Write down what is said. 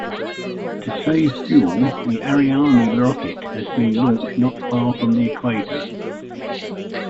To save fuel, the Ariane rocket has been launched not far from the equator.